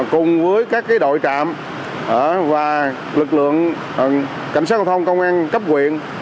cùng với các đội trạm và lực lượng cảnh sát công an thành phố công an cấp quyện